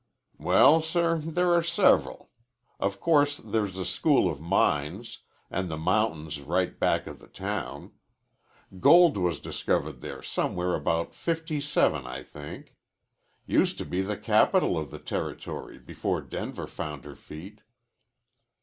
"Well, sir, there are several. Of course, there's the School of Mines, and the mountains right back of the town. Gold was discovered there somewhere about fifty seven, I think. Used to be the capital of the territory before Denver found her feet."